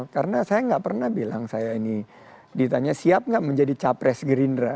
karena saya gak pernah bilang saya ini ditanya siap gak menjadi capres gerindra